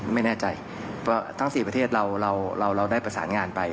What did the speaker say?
ไม่แน่ใจว่าทั้ง๔ประเทศเราได้ประสานงานไป